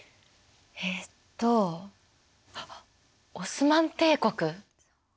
えっとオスマン帝国？